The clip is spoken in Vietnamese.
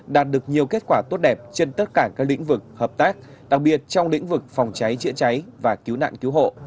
đạt được nhiều kết quả tốt đẹp trên tất cả các lĩnh vực hợp tác đặc biệt trong lĩnh vực phòng cháy chữa cháy và cứu nạn cứu hộ